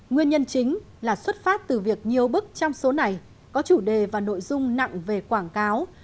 nguyên nhân chính là xuất phát từ việc nhiều bức trong số này có chủ đề và nội dung nặng về quảng cáo